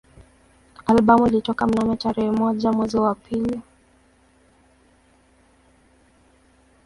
Albamu ilitoka mnamo tarehe moja mwezi wa pili